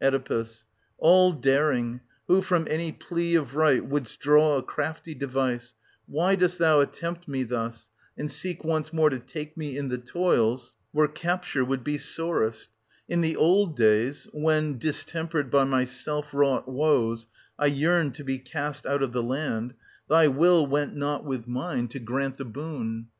Oe. All daring, who from any plea of right wouldst draw a crafty device, why dost thou attempt me thus, and seek once more to take me in the toils where capture would be sorest ? In the old days — when, dis tempered by my self wrought woes, I yearned to be cast out of the land — thy will went not with mine to 768—798] OEDIPUS AT COLONUS. 89 grant the boon.